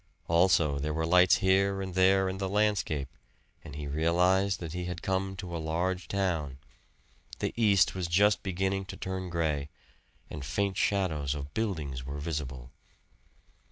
Also there were lights here and there in the landscape, and he realized that he had come to a large town. The east was just beginning to turn gray, and faint shadows of buildings were visible.